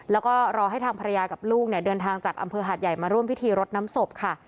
แล้วก็รอให้ทางภรรยากับลูกเนี่ยเดินทางจากอำเภอหาดใหญ่มาร่วมพิธีรดน้ำศพค่ะ